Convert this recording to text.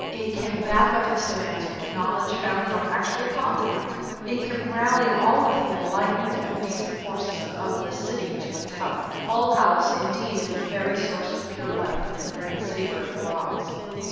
It can back up its demands with knowledge founded on actual contact. It can rally all of the enlightened and decent forces of the city to its help. Hull House, indeed, is a very source of pure life in the great city where it belongs.